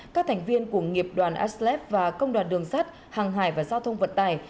các thành viên của nghiệp đoàn aslep và công đoàn đường sắt hàng hải và giao thông vận tài